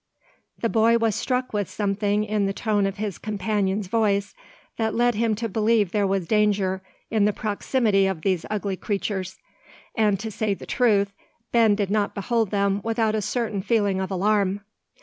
The boy was struck with something in the tone of his companion's voice, that led him to believe there was danger in the proximity of these ugly creatures; and to say the truth, Ben did not behold them without a certain feeling of alarm.